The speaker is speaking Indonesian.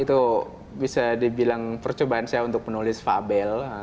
itu bisa dibilang percobaan saya untuk menulis fabel